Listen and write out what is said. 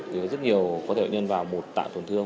rất nhiều có thể nhân vào một tạng tổn thương